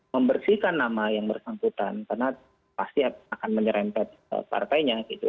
membersihkan nama yang bersangkutan karena pasti akan menyerempet partainya gitu